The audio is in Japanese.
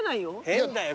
変だよ